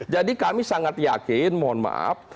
jadi kami sangat yakin mohon maaf